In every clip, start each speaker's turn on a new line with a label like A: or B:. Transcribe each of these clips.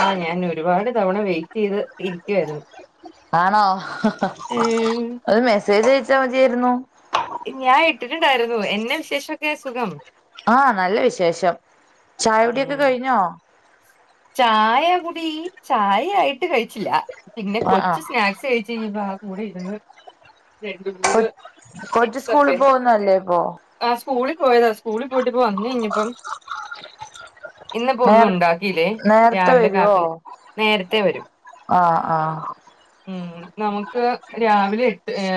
A: ആഹ് ഞാൻ ഒരുപാട് തവണ വെയിറ്റ് ചെയ്ത് ഇരിക്കുവായിരുന്ന്.
B: ആണോ?
A: ഏഹ്.
B: ഒര് മെസ്സേജ് അയച്ചാ മതിയായിരുന്നു.
A: ഞാൻ ഇട്ടിട്ടുണ്ടായിരുന്നു എന്നാ വിശേഷക്കെ സുഖം.
B: ആഹ് നല്ല വിശേഷം ചായ കുടിയൊക്കെ കഴിഞ്ഞോ?
A: ചായകുടി ചായ ആയിട്ട് കഴിച്ചില്ല പിന്നെ
B: ആഹ്
A: കൊച്ച്
B: ആഹ്
A: സ്നാക്സ് കഴി [unintelligible] കൂടെ ഇര്ന്ന്. രണ്ട്
B: കൊ
A: മൂന്ന്
B: കൊച്ച്
A: ചിപ്സ്
B: സ്കൂളിൽ
A: ഒക്കെ.
B: പോകുന്നല്ലേ ഇപ്പൊ
A: ആഹ് സ്കൂളിൽ പോയതാ സ്കൂളിൽ പോയിട്ട് ഇപ്പോ വന്ന് കഴിഞ്ഞപ്പം ഇന്നപ്പോ ഒന്നു
B: നേർ
A: ഉണ്ടാക്കിയില്ലേ
B: നേരത്തെ
A: രാവിലെ
B: വരുവോ
A: കാപ്പി നേരത്തെ വരും.
B: ആഹ് ആഹ്
A: ഉം. നമുക്ക് രാവിലെ എട്ട് എ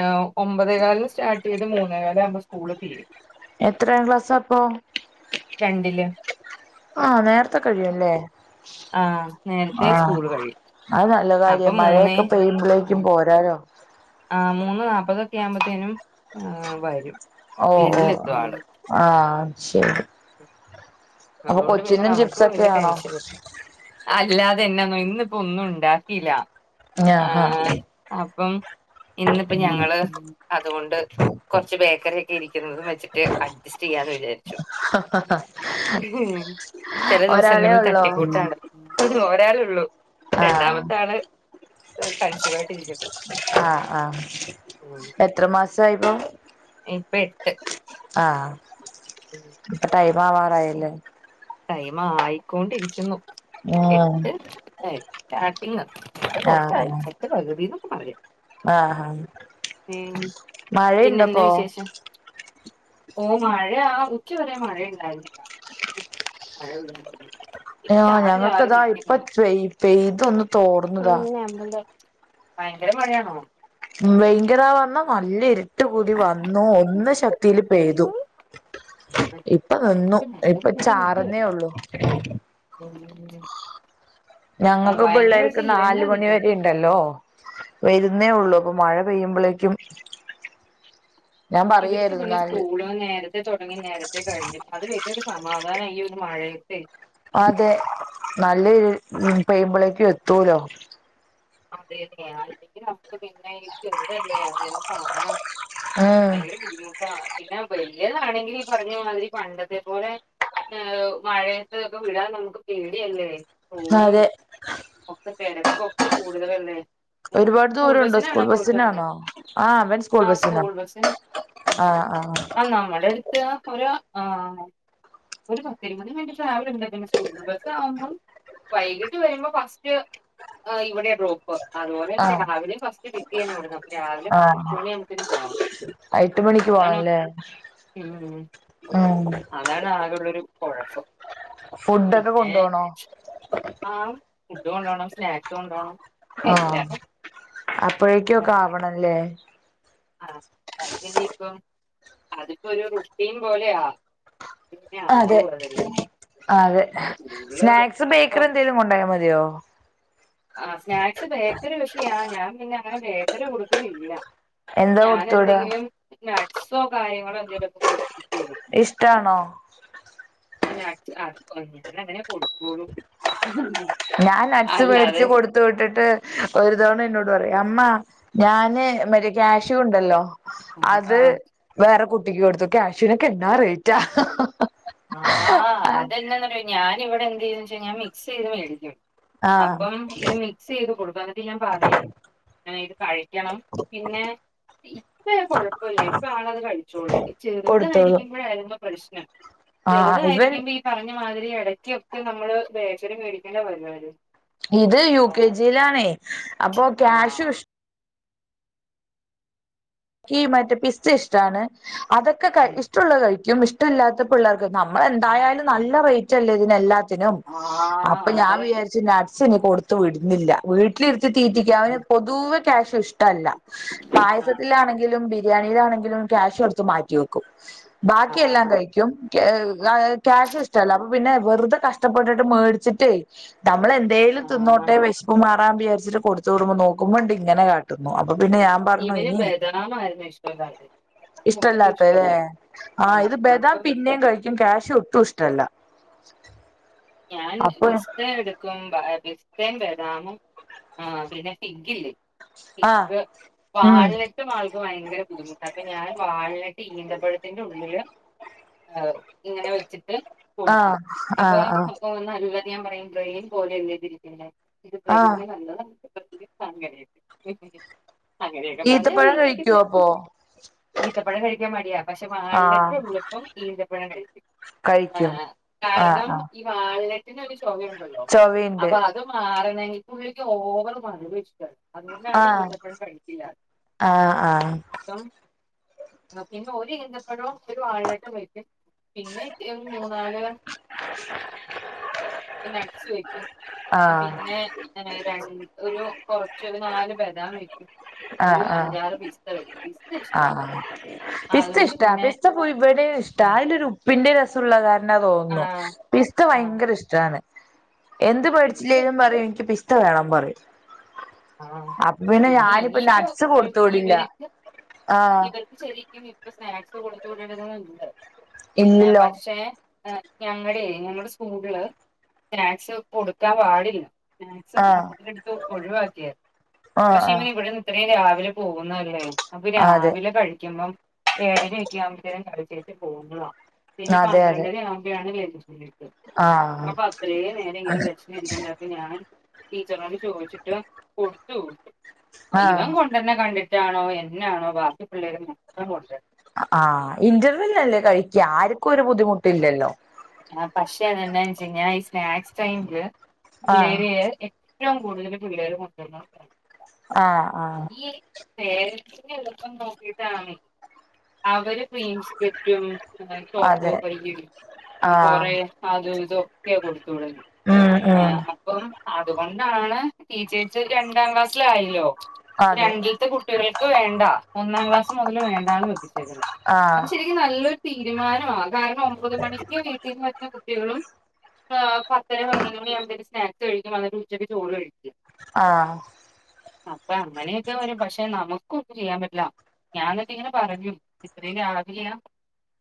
A: ഒമ്പതേ കാലിന് സ്റ്റാർട്ട് ചെയ്ത് മൂന്നേകാല് ആവുമ്പം സ്കൂള് തീരും. [inaudible]
B: എത്രാം ക്ലാസ്സാ അപ്പോ?
A: രണ്ടില്.
B: ആഹ് നേര്ത്തെ കഴിയും അല്ലേ?
A: ആഹ് നേര്ത്തേ സ്കൂള് കഴിയും.
B: അത് നല്ല
A: അപ്പൊ
B: കാര്യം
A: മൂന്നേ
B: മഴയൊക്കെ പെയ്യുമ്പോഴേക്കും പോരാലോ.
A: ആഹ് മൂന്ന് നാപ്പതൊക്കെ ആവുമ്പൊത്തേനും വരും.
B: ഓ ഓ
A: വീട്ടിലെത്തും ആള്
B: ആഹ് അത് ശരി. അപ്പൊ
A: അതുകൊണ്ട് പിന്നെ
B: കൊച്ചിനും
A: നമുക്കും വല്യ
B: ചിപ്സൊക്കെയാണോ
A: ടെൻഷൻ. അല്ലാതെ എന്നാ ഇന്നിപ്പം ഒന്നും ഉണ്ടാക്കില്ല
B: ആഹാ
A: ആഹ് അപ്പം ഇന്നിപ്പം ഞങ്ങള് അതുകൊണ്ട്. കെറ്ച്ച് ബേക്കറി ഒക്കെ ഇരിക്കുന്നതും വെച്ചിട്ട് അഡ്ജസ്റ്റ് ചെയ്യാന്ന് വിചാരിച്ചു.
B: ഹ ഹ ഹ.
A: ഉം. ചെല
B: ഒരാളെ
A: ദിവസങ്ങളില്
B: ഉള്ളോ
A: തട്ടിക്കൂട്ടാണ് ഒരാളുള്ളൂ
B: ആഹ്
A: രണ്ടാമത്താള്. കൺസീവ് ആയിട്ട് ഇരിക്കുന്നു.
B: ആഹ് ആഹ് എത്ര മാസായി ഇപ്പം?
A: ഇപ്പം എട്ട്.
B: ആഹ്.
A: [inaudible]
B: ടൈം ആവാറായില്ലേ?
A: ടൈം ആയിക്കൊണ്ടിരിക്കുന്നു
B: ഉം
A: എട്ട് സ്റ്റാർട്ടിങ്. ആഹ് കുറച്ച് ആഴ്‌ച്ചക്ക് പകുതി എന്നൊക്കെ പറയും.
B: ആഹ് ഹാ
A: ഉം പിന്നെന്നാ വിശേഷം? ഓ മഴ ഉച്ച വരെ മഴയുണ്ടായിരുന്നില്ല. മഴ യൊന്നും ഇല്ല.
B: അയ്യോ ഞങ്ങൾക്കതാ ഇപ്പ പെയ് പെയ്തൊന്നും
A: ആ നമ്മള് ഭയങ്കര മഴയാണോ?
B: ഉം ഭയങ്കരാ പറഞ്ഞാൽ നല്ല ഇരു ട്ടു കൂടി വന്നു. ഒന്ന് ശക്തിയില് പെയ്തു. ഇപ്പൊ നിന്നു. ഇപ്പ ചാറ്ന്നേ ഉള്ളു.
A: ഉം
B: ഞങ്ങൾക്ക് പിള്ളേർക്ക്
A: ഇരണ്ട
B: നാല് മണി
A: നിക്കണ്
B: വരെ ഉണ്ട്. ല്ലോ വരുന്നേ ഉള്ളൂ. അപ്പൊ മഴ പെയ്യുമ്പോഴേക്കും ഞാൻ പറയായിരുന്നു. ന്നാല്
A: കൂ നേര ത്തെ തുടങ്ങി നേരത്തെ കഴിഞ്ഞു. അത് വലിയൊരു സമാധാനം ഈ ഒരു മഴത്തേ
B: അതെ. നല്ലൊരു പെയുമ്പളേക്കും എത്തൂലോ
A: അതെയതെ. അല്ലെങ്കിൽ നമുക്ക് പിന്നെ ചെറുതല്ലേ അങ്ങേരം കാണാം.
B: ഉം
A: ഭയങ്കര ബുദ്ധിമുട്ടാ. പിന്നെ വലിയതാണെങ്കിൽ ഈ പറഞ്ഞ മാതിരി പണ്ടത്തെ പോലെ ഏഹ് മഴയത് ക്കെ വിടാൻ നമുക്ക് പേടിയല്ലേ. കൂ ടും
B: അതെ
A: ഒക്കെ തിരക്ക ഒക്കെ കൂടുതലല്ലേ ഉം.
B: ഒരുപാട്
A: സ്കൂൾ
B: ദൂരംണ്ടോ?
A: ബസ്സിനാണോ
B: സ്കൂൾ
A: പോയിട്ട് വന്നെ
B: ബസിനാണോ? ആഹ് അവൻ സ്കൂൾ
A: ആ
B: ബസിനാ
A: ബസ്സിന് ആ ആല്ല നമ്മുടെ അടുത്ത് ആ പൊര ഒ ആ ഒരു പത്ത് പത് മിനിട്ട് ടാവല ഉണ്ട്. പിന്നെ സ്കൂള ബസ് ആവുമ്പം വൈകീട്ട് വരുമ്പോ ഫസ്റ്റ് ആ ഇവിടെ റോ അ അതുപോലെ
B: ആ
A: തന്നെ
B: ആ
A: രാവിലെയും ഫസ്റ്റ് പിക്ക് ചെയ്യുന്ന എവിടന്ന്. അ രാവിലെ എട്ട മണിയാവുമ്പത്തേ പോകണം.
B: ആ എട്ട് മണിക്ക് പോണംല്ലേ.
A: ഉം
B: ആ ഹ്
A: അതാണ് ആകുള്ളൊരു കുഴപ്പം.
B: ഫുഡൊക്കെ
A: പിന്നെ
B: കൊണ്ടോണോ
A: ആഹ് ഫുഡ് കൊണ്ടോകണം. സ്നാക്സ് കൊണ്ടു പോണം.
B: ആഹ് അപ്പോഴേക്കൊക്കെ ആവണല്ലേ?
A: ആഹ് അതന്നെ ഇപ്പ അതിപ്പോ രു റുട്ടീൻ പോലെയ
B: അതെ ആ അതെ
A: സ്കൂളില്
B: സ്നാക്സ് ബേക്കറി
A: ഇപ്പം
B: എന്തെലും കൊണ്ടായൽ മതിയോ?
A: ആ സ്നാക്സ് ബേക്കര് വിഷിയ ഞാൻ പിന്നെ അങ്ങനെ ബേക്കര് കൊടുക്കലില്ല.
B: എന്താ കൊടുത്തുവിടാ?
A: നട്സോ കാര്യങ്ങളോ എന്തെങ്കലുംക്കെടുത്ത് വിടും
B: ഇഷ്ട്ടാണോ
A: അത് അങ്ങനെ കൊടുക്കൂളൂ
B: ഞാൻ നട്സ് മേടിച്ച് കൊടു ത്ത് വിട്ടിട്ട് ഒരു തവണ എന്നോട് പറയും അമ്മ ഞാന് മറ്റ കാഷു ഉണ്ടല്ലോ അത്
A: ആ
B: വേറെ കുട്ടിക്ക് കൊടുത്തു. ക്യാശുവിനൊക്കെ എന്നാ റേറ്റാ
A: ആഹ്. അതെന്നാ ഞാന ഇവിടെ എന്ത് ചെയ്തച്ച ഞാൻ മിക്സ് ചെയ്ത് മേടിക്കും.
B: ആഹ്
A: അപ്പം ഇത് മിക്സ് ചെയ്ത് കൊടുക്കും. എന്നിട്ട് ഞാൻ പറയും ഇത് കഴി ക്കണം. പിന്നെ ഇപ്പ കൊഴപ്പില്ല ഇപ്പ ആളത് കഴിച്ചോളൂ ഈ
B: കൊടുത്തോളും
A: ചെറുതായിയിരിക്കുമ്പോഴായിരുന്നു പ്രശ്നം.
B: ആഹ് ഇവൻ
A: ചെറുതായിരിക്കുമ്പോ ഈ പറഞ്ഞ മാതിരി ഇടയ്ക്കൊക്കെ നമ്മള് ബേക്കറി മേടിക്കേണ്ട പറഞ്ഞവര്
B: ഇത് യു കെ ജിയിലാണേ അപ്പൊ ക്യാഷു
A: ആഹ്
B: ഇഷ് കീ മറ്റേ പിസ്ത ഇഷ്ടാണ്. അതൊക്കെ ക
A: ഉം
B: ഇഷ്ടമുള്ള കഴിക്കും. ഇഷ് ട ല്ലാത്ത പിള്ളേർക്ക് നമ്മളേന്തായാലും നല്ല റേറ്റ്ല്ലേ ഇതിനല്ലാത്ത പിന്നെ അപ്പൊ
A: ആഹ്
B: ഞാൻ
A: അതെ
B: വിചാ നട്സ് എനി കൊടുത്ത് വിടുന്നില്ല വീട്ടിലിരുത്തി തീറ്റക്ക് അവന്
A: ഉം
B: പൊതുവേ ക്യാഷ് ഇഷ്ട ല്ല പായസ
A: ആഹ്
B: ബിരിയാണിലാണെങ്കിലും ക്യാഷ്യു എടുത്തു മാറ്റി വെക്കും ബാക്കി എല്ലാം
A: ആഹ്
B: കഴിക്കും ക്യാഷ് ഇഷ്ടല്ലോ അപ്പൊ പിന്നെ വെറുതെ കഷ്ടപ്പെട്ടിട്ട് മേടിച്ചിട്ടേ നമ്മളെ എന്തേും
A: ആഹ്
B: തിന്നോട്ടെ വെശ്പ്പ്മാറാം വിചാരിച്ചിട്ട് കൊടുത്തുടുമ്പോ നോക്ക്മ്പോണ്ടിങ്ങനെ കാട്ടുന്നു അപ്പൊ പിന്നെ ഞാം
A: ഇവന് ബദാമായിരുന്നു ഇഷ്ട്ടല്ലാത്തെ
B: ഇഷ്ട്ടല്ലാത്തെ ലെ ആഹ് ഇത് ബദാം പിന്നെയും കഴിക്കും ക്യാഷു ഒട്ടും ഇഷ്ട്ടല്ല
A: ഞാൻ പിസ്ത എടു ക്കും പിസ്തെ ബദാമും ആഹ് പിന്നെ ഫിഗ്ഗില്ലേ
B: ആഹ്
A: ഫിഗ്ഗ്
B: ഉം
A: പാല്ല് റ്റും ആൾക്ക് ഭയങ്കര ബുദ്ധിമുട്ടാട്ടോ ഞാൻ വാൾനട്ട് ഈന്തപ്പഴത്തിന്റെ ഉള്ളില് ഏറും ഇങ്ങനെ വെച്ചിട്ട് കൊടുക്കും
B: ആഹ്
A: അപ്പൊ
B: ആഹ് ആഹ്
A: ഓഹ് നല്ലത് ഞാൻ പറയും ബ്രെയിൻ പോലെയല്ലേതിരിക്ക്ന്നേ ഇത് ബ്രെയിൻ
B: ആഹ്
A: നല്ലതാ അങ്ങനെയൊക്കെ അങ്ങനെയൊക്കെ പറഞ്ഞ
B: ഈത്തപ്പഴം കഴിക്കുവോ
A: തീറ്റിക്കുന്നെ
B: അപ്പൊ
A: ഈത്തപ്പഴം കഴിക്കാം മടിയാ പക്ഷെ
B: ആഹ്
A: വാൾനട്ടുള്ളപ്പം ഈന്തപ്പഴം കഴിക്കും ആഹ്
B: കഴിക്കും
A: ആഹ്
B: ആഹ്
A: കാരണം
B: ആഹ്
A: ഈ വാൾനെട്ടിനൊരു ചൊവയുണ്ടല്ലോ
B: ചൊവയുണ്ട്
A: അപ്പഅ അത് മാറണെങ്കി പുള്ളിക്ക് ഓവറ് മധുരഷ്ടല്ല അതുകൊണ്ടാണ്
B: ആഹ്
A: ഈന്തപ്പഴം കഴിക്കില്ല
B: ആഹ് ആഹ്
A: അപ്പം പിന്നെ ഒരു ഇന്തപ്പഴോ ഒരു വാഴിലട്ടം കയ്ച്ച് പിന്നെ മൂന്നാല്
B: [unintelligible]
A: നട്ട്സ് വ്യെക്കും
B: ആഹ്
A: പിന്നെ പിന്നെതേ രണ്ട് ഒരു കൊറച്ചൊരു നാല് ബദാം വെ ഒരു
B: ആഹ് ആഹ്
A: അഞ്ചാറ് പിസ്ത വെക്ക്യും പിസ്ത ഇഷ്ട
B: ആഹ് അഹ് പിസ്ത ഇഷ്ട പിസ്ത പോയി ഇവിടെം ഇഷ്ട അയ്ലൊരു ഉപ് പിന്റെ രസുള്ള കാര്ണാ
A: ആ
B: തോന്നു പിസ്ത്ത
A: ആ
B: ഭയങ്കര ഇഷ്ട്ടാണ് എന്ത്
A: ഇവർക്ക്
B: വേടിച്ചില്ലേലും പറിം എനിക്ക് പിസ്ത വേണം പറിം
A: ആഹ് പിന്നെ ഇനി
B: നട്സ് കൊടുത്തുവിടില്ല ആഹ്
A: ശെരിക്കും ഇപ്പൊ സ്നാക്സ് കൊടുത്ത് വിടേണ്ടത്ണ്ട്
B: ഇല്ലല്ലോ
A: പക്ഷേ ഏഹ് ഞങ്ങടെ ഞങ്ങടെ സ്കൂള് സ്നാക്സ് കൊടുക്കാം പാടില്ല സ്നാക്സ്
B: ആഹ്
A: മൊത്തത്തിലിട്ത്ത് ഒഴിവാക്കിയാര്ന്നു
B: ആഹ്
A: പക്ഷെ ഇവനീ
B: ആഹ്
A: ഇവിടെ ഇത്രയും രാവിലെ പോകുന്നല്ലേ അപ്പൊ
B: അതെ
A: രാവിലെ കഴിക്കുമ്പം ഏഴരെക്കെ ആവുമ്പത്തേരും കഴിച്ചേച്ച് പോക്വാ പിന്നെ
B: അതെ അതെ
A: പന്ത്രണ്ടണി ആവുമ്പഴാണ് ലെഞ്ച്ല്ലെ
B: ആഹ്
A: അപ്പ അത്രേനേരങ്ങനെ വെശ് ഞാൻ ടീച്ചറോട് ചോയ്ച്ചിട്ട് കൊടുത്തു
B: ആഹ്
A: ഇവം കൊ ണ്ടെര്നെ കണ്ടിട്ടാണോ എന്നാണോ ബാക്കി പിള്ളേരും മൊത്തം കൊണ്ടര്
B: അഹ് ആഹ് ഇന്റർവെല്ലല്ലേ കഴിക്ക്യ ആര്ക്കും ഒരു ബുദ്ധിമുട്ടില്ലല്ലോ
A: ആഹ് പക്ഷെതെന്നാൻച്ചയ്ഞ്ഞ ഈ സ്നാക്സ് ടൈമില്
B: ആഹ്
A: ഏഴ് എ ഏറ്റവും കൂടുതൽ പിള്ളേർ മുതിർന്നവര
B: ആഹ് ആഹ്
A: ഈഹ് കേരളത്തി എളുപ്പം നോക്കിട്ടാണ് അവര് സ്ക്രീൻസ്ക്രിപ്റ്റും ടോപ്പ്
B: അതെ
A: ഒക്കെയ്ലിടും ഞാ കൊറെ
B: ആഹ്
A: അതും ഇതൊക്കെയ കൊടുത്തുവിടല്
B: ആഹ് അഹ്
A: അപ്പം അതുകൊണ്ടാണ് ടീച്ചേഴ്സ് രണ്ടാം ക്ലാസ്സിലായല്ലോ
B: അതെ
A: രണ്ടിൽത്തെ കുട്ടികൾക്ക് വേണ്ട ഒന്നാം ക്ലാസ് മുതല് വേണ്ടാന്ന് വെപ്പിച്ചേക്ക്ണ്
B: ആഹ്
A: അത് ശെരി ക്കും നല്ലൊരു തീരുമാനമാ കാരണം ഒമ്പത് മണിക്ക് വീട്ടീന്ന് വരുന്ന കുട്ടികളും ആഹ് പത്തര പതിനൊന്ന്മണി ആകുമ്പത്തേന് സ്നാക്സ് കഴിക്കും അന്നിട്ട് ഉച്ചയ്ക്ക് ചോറ് കഴിക്കും
B: ആഹ്
A: അപ്പൊ അങ്ങനെയൊക്കെ വരും പക്ഷെ നമുക്കൊന്നും ചെയ്യാൻ പറ്റില്ല ഞാനെന്നിട്ട്ങ്ങനെ പറഞ്ഞു ഇത്രയും രാവിലെയാ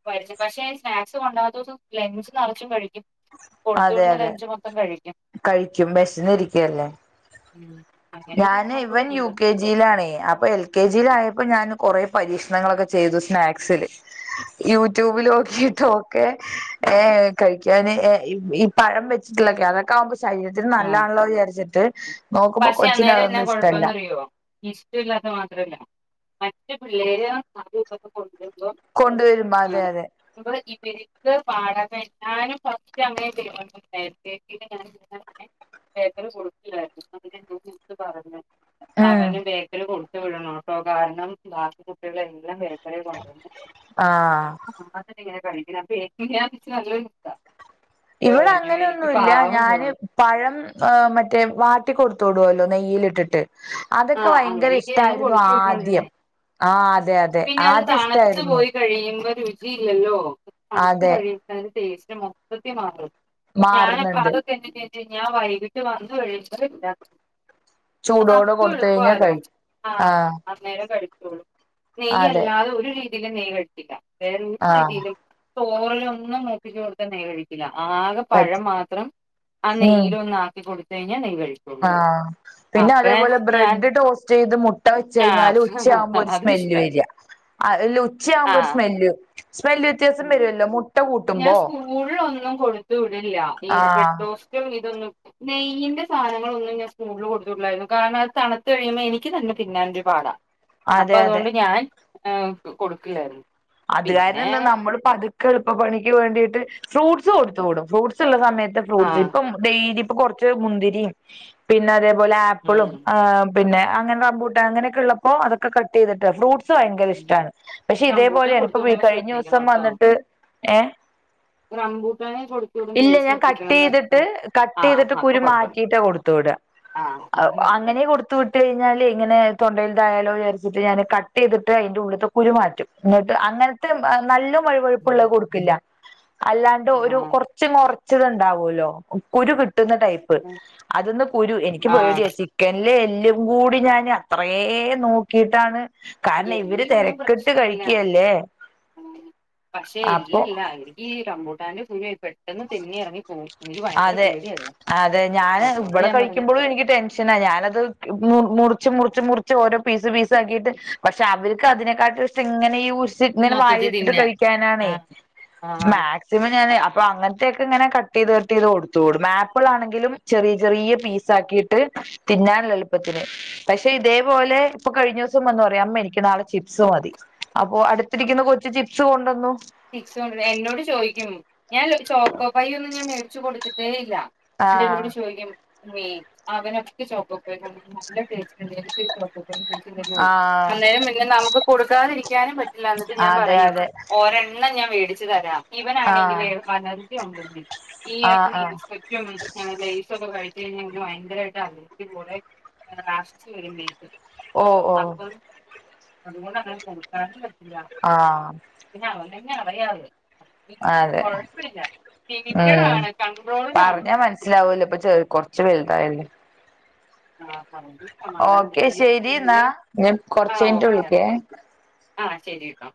A: [unintelligible] പക്ഷെ സ്നാക്സ് കൊണ്ടോവാത്ത കൊണ്ട് ലഞ്ച് നെറച്ചും കഴി ക്കും കൊടുത്തു
B: അതെ
A: വിടുന്ന
B: അതെ
A: ലെഞ്ച് മൊത്തം കഴിക്കും
B: കഴിക്കും വിശന്നിരിക്കല്ലേ
A: ഉം അങ്ങനെയൊരു
B: ഞാന്
A: ഗുണൊണ്ട്
B: ഇവൻ യു കെ കെ ജിയിലാണെ അപ്പൊ എൽ കെ ജിയിൽ ആയപ്പോ ഞാൻ കൊറെ പരീക്ഷണങ്ങളൊക്കെ ചെയ്തു സ്നാക്സില്.
A: ആഹ്
B: യൂട്യൂബിലോക്കിയിട്ടൊക്കെ ഏഹ് കഴിക്കാന് എ ഈ ഈ പഴം വെച്ചിട്ടുള്ളൊക്കെ അതൊക്കെ ആവുമ്പം ശരീരത്തിന്
A: ആഹ്
B: നല്ലതാണല്ലോ വിചാരിച്ചിട്ട്. നോക്കുമ്പോ കൊച്ചിന് അതൊന്നും ഇഷ്ട്ടല്ല.
A: ഇഷ്ട്ട ഇല്ലാത്ത മാത്രല്ല മറ്റ് പിള്ളേര് അതും ഇതും ഒക്കെ കൊണ്ടുവരുമ്പോ
B: കൊണ്ടുവരുമ്പം അതെ അതെ.
A: [unintelligible] ഇത് [unintelligible] ഞാന് ഫസ്റ്റ് അങ്ങനെ [unintelligible] ബേക്കറി കൊടുക്കൂല്ലായിരുന്നു [unintelligible] പറഞ്ഞ്
B: ഉം
A: അവന് ബേക്കറി കൊടു കൊടുത്തു വിടണം ട്ടോ കാരണം ബാക്കി കുട്ടികളെല്ലാം ബേക്കറിയാ കൊണ്ടുവന്നെ
B: ആഹ്
A: ആഹ് അതന്നെയാ ഇങ്ങനെ കഴിക്കുന്നെ [unintelligible] നല്ലൊരു [unintelligible] അപ്പൊ
B: ഇവിടെ
A: പറഞ്ഞു
B: അങ്ങനൊന്നും
A: എനിക്ക്
B: ഇല്ല
A: പാവം
B: ഞാന്
A: തോന്നി
B: പഴം ഏഹ് മറ്റേ വാട്ടി കൊടുത്തുവിടുവല്ലോ നെയ്യിലിട്ടിട്ട്? അതൊക്കെ
A: ആഹ്
B: ഭയങ്കര
A: അങ്ങനെയൊക്കെ ഞാനും
B: ഇഷ്ടായിരുന്നു
A: കൊടുത്തു
B: ആദ്യം
A: വിട്ടോണ്ടിരുന്നെ
B: ആഹ് അതെ അതെ
A: പിന്നെ അത്
B: ആദ്യം
A: തണുത്ത്
B: ഇഷ്ടായിരുന്നു
A: പോയി കഴിയുമ്പോ രുചിയില്ലല്ലോ തണുത്ത
B: അതെ
A: കഴിയു അതിന്റെ ടേസ്റ്റ് മൊത്തത്തി മാറും ഞാനപ്പ
B: മാറുന്നുണ്ട്
A: അതൊക്കെ [unintelligible] കഴിഞ്ഞാ വൈകിട്ട് വന്ന് കഴിയുമ്പം ഇണ്ടാക്കും
B: ചൂടോടെ
A: നമുക്ക്
B: കൊടുത്ത് കഴിഞ്ഞാൽ
A: എളുപ്പാലോ
B: കഴിക്കും
A: ആഹ് അന്നേരാ കഴിക്കോള്ളൂ
B: അതെ
A: നെയ്യല്ലാതെ ഒരു രീതിയിലും നെയ്യ് കഴിക്കില്ല വേറ ഒരു
B: ആഹ്
A: രീതിയിലും ചോറിലൊന്നും മൂപ്പിച്ചു കൊടുത്താ നെയ് കഴിക്കില്ല ആകെ പഴം
B: പറ്റും
A: മാത്രം ആ
B: ഉം
A: നെയ്യിലൊന്ന് ആക്കി കൊടുത്ത് കഴിഞ്ഞാൽ നെയ് കഴിക്കും.
B: ആഹ് പിന്നെ അതേപോലെ
A: ഞാൻ
B: ബ്രെഡ് ടോസ്റ്റ് ചെയ്ത് മുട്ട വെച്ച് കഴിഞ്ഞാല്
A: ആഹ്
B: ഉച്ചയാവുമ്പോ ഒരു
A: അത്
B: സ്മെല്ല്
A: ഇഷ്ടാ
B: വെരാ അ അല്ല ഉച്ചയാവുമ്പോ ഒരു
A: ആഹ്
B: സ്മെല്ല് സ്മെല്ല് വ്യത്യാസം
A: ഉം
B: വരുമല്ലോ മുട്ട
A: ഞാൻ
B: കൂട്ടുമ്പോ
A: സ്കൂളിലൊന്നും കൊടുത്തു വിടില്ല ഈ
B: ആഹ്
A: ബ്രഡു [unintelligible] ഇതൊന്നും നെയ്യിന്റെ സാധനങ്ങൾ ഒന്നും ഞാൻ സ്കൂളില് കൊടുത്തു വിടില്ലായിരുന്നു കാരണം അത് തണുത്തു കഴിയുമ്പോ എനിക്ക് തന്നെ തിന്നാൻ ഒരു പാടാ അപ്പൊ
B: അതെ അതെ
A: അതുകൊണ്ട് ഞാൻ ഏഹ് കൊടുക്കില്ലായിരുന്നു.
B: അത്കാരണം
A: പിന്നെ
B: എന്താ നമ്മള് പതുക്ക് [unintelligible] എളുപ്പ പണിക്ക് വേണ്ടിയിട്ട് ഫ്രൂട്ട്സ് കൊടുത്തു വിടും ഫ്രൂട്ട്സ് ഉള്ള സമയത്ത് ഫ്രൂട്ട്സ്
A: ആഹ്
B: ഇപ്പം ഡെയിലി ഇപ്പ കൊറച്ച് മുന്തിരിയും പിന്നെ അതേപോലെ ആപ്പിളും ഏഹ് പിന്നെ അങ്ങനെ റമ്പൂട്ടാൻ അങ്ങനെയൊക്കെ ഇള്ളപ്പോ അതൊക്കെ കട്ട് ചെയ്തിട്ട് ഫ്രൂട്ട്സ് ഭയങ്കര
A: ഉം
B: ഇഷ്ട്ടാണ് പക്ഷെ ഇതേ
A: റംബൂട്ടാൻ
B: [unintelligible]
A: കൊടുത്തു
B: ഇപ്പം
A: വിടുമ്പോ
B: കഴിഞ്ഞ
A: ശ്രദ്ധിക്കണം
B: ദിവസം
A: കേട്ടോ
B: വന്നിട്ട് ഏഹ്
A: റംബൂട്ടാന് കൊടുത്തു വിടുമ്പേ
B: ഇല്ല ഞാൻ കട്ട്
A: ശ്രദ്ധിക്കണംന്ന് ആ
B: ചെയ്തിട്ട് കട്ട് ചെയ്തിട്ട് കുരു മാറ്റിട്ടാ കൊടുത്തു വിടാ
A: ആഹ് [unintelligible] കൊഴപ്പല്
B: ത്തു വിട്ട് കഴിഞ്ഞാല് ഇങ്ങനെ തൊണ്ടയില്തായാലോ വിചരിച്ചിട്ട് ഞാൻ കട്ട് ചെയ്തിട്ട് അതിൻ്റെ ഉള്ളിൽത്തെ കുരുമാറ്റും. എന്നിട്ട് അങ്ങനത്തെ നല്ല വഴുവഴുപ്പുള്ളത് കൊടുക്കില്ല അല്ലാണ്ട് ഒരു
A: ആ
B: കൊറച്ച് ച്ച് കൊറച്ച് മുറിച്ചത്ണ്ടാവല്ലോ കുരു കിട്ടുന്ന ടൈപ് അതെന്ന് കുരു എനിക്ക്
A: ആ
B: പേടിയാ ചിക്ക് ക്കൻല് എല്ലും കൂടി ഞാന് അത്രേം നോക്കിയിട്ടാണ് കാരണം ഇവര് തെരക്കിട്ട് കഴിക്ക്
A: [unintelligible] ഉം പക്ഷ
B: അപ്പൊ
A: [unintelligible] ഈ റമ്പൂട്ടാന്റെ കുരു പെട്ടെന്ന് തെന്നി ഇറങ്ങി. പോവും കുരുവാ
B: അതെ അതെ ഞാൻ ഇവിടെ
A: ഞാൻ പറഞ്ഞു
B: കഴിക്കുമ്പോഴും എനിക്ക് ടെൻഷ ഷന ഞാനത് മുറിച്ച് മുറിച്ച് മുറിച്ച് ഓരോ പീസ് പീസ് ആക്കിയിട്ട് പക്ഷെ അവർക്ക് അതിനെക്കാട്ടും. നെ ഇങ്ങനെ ഉഷ് ഇങ്ങനെ വായിൽ
A: മൊത്തത്തി
B: ഇട്ട്
A: തിന്നാൻ ആ
B: കഴിക്കാനന്നേ മെ
A: ആ
B: സിമ ഞാൻ അപ്പൊ അങ്ങനത്തേക്ക് ഒക്കെ ഇങ്ങനെ കട്ട് ചെയ്ത് ത് കൊടുത്ത് ടും ആപ്പിൾ ആണെങ്കിലും ചെറിയ ചെറിയ പീസ ആക്കിയിട്ട് തിന്നാൻ എളുപ്പത്തിന് പക്ഷെ ഇതേ പോലെ ഇപ്പ കഴിഞ്ഞ ദിവസം വന്ന് പറയാ അമ്മ എനിക്ക് നാളെ ചിപ്സ് മതി അപ്പൊ അടുത്ത് ഇരിക്കുന്ന കൊച്ച് ചിപ്സ് കൊണ്ടു വന്നു
A: ചിപ്പ്സ് കൊണ്ട് എന്നോട് ചോദിക്കും ഞാൻ ചോക്കോപ്പയ ഒന്നും ഞാൻ മേടിച്ചു കൊടുത്തിട്ടേ ഇല്ല അല്ലേ
B: ആഹ്
A: എന്നോട് ചോദിക്കും അമ്മേ അവന് ഒക്കെ ചോക്കോ പെർ കൊണ്ട് നല്ല ടേസ്റ്റ്ണ്ട് ഇണ്ട് എനിക്ക് ഒരു ചോക്കോ ചോക്കോമേടിച്ചോണ്ട് വരുവോ
B: ആഹ്
A: അന്നേരം പിന്നെ നമുക്ക് കൊടുക്കാത ഇരിക്കാനും പറ്റില്ല എന്നിട്ട് ഞാൻ
B: അതെ
A: പറയും
B: അതെ
A: ഒരെണ്ണം ഞാൻ വേടിച്ചു തരാം ഇവന
B: ആഹ്
A: ആണെങ്കില് അലർജി ഒണ്ടേന്നേ ഈ
B: ആഹ്
A: ഇടയ്ക്ക്
B: ആഹ്
A: ഇൻസ്പെക്ടറ്റ വിളിച്ചു പറഞ്ഞു ലേസൊക്കെ കഴി- പിന്നെ ഇവന് ഭയങ്കരായിട്ട് അലർജി പോലെ ആസ്തി വെരും മേത്ത്
B: ഓ ഓ
A: അപ്പൊ അതുകൊണ്ട് അങ്ങനെ കൊടുക്കാനും പറ്റില്ല
B: ആഹ്
A: പിന്നെ അവന് എന്നെ അറിയാവു പിന്നെ
B: അതെ
A: കൊഴപ്പില്ല ലിമിറ്റഡ്
B: ഉം
A: ആണ് കൺട്രോൾഡ് ആണ്
B: [unintelligible]
A: ആഹ് പണ്ട്
B: ഓക്കെ ശരി എന്നാ ഞൻ കൊറച്ച് കഴിഞ്ഞട്ട് വിളിക്കെ
A: ആഹ് ശരി ട്ടോ